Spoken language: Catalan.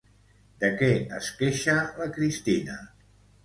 De què es queixa la Cristina?